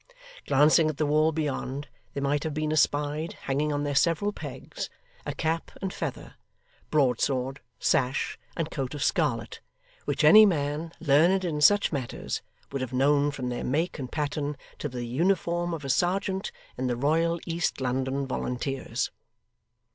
Glancing at the wall beyond, there might have been espied, hanging on their several pegs, a cap and feather, broadsword, sash, and coat of scarlet; which any man learned in such matters would have known from their make and pattern to be the uniform of a serjeant in the Royal East London Volunteers.